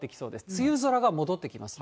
梅雨空が戻ってきます。